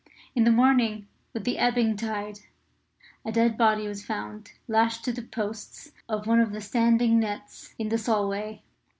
In the morning, with the ebbing tide, a dead body was found lashed to the posts of one of the standing nets in the Solway.